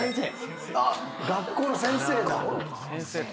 学校の先生だ。